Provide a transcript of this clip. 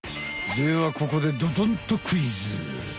ではここでドドンとクイズ！